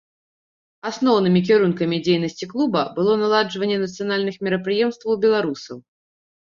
Асноўнымі кірункамі дзейнасці клуба было наладжванне нацыянальных мерапрыемстваў беларусаў.